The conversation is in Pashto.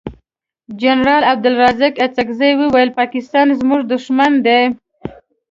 جنرال عبدلرازق اڅګزی وویل پاکستان زمونږ دوښمن دی.